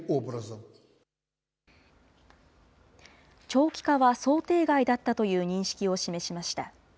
長期化は想定外だったという認識を示しました。